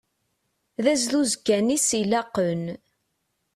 D azduz kan i as-ilaqen.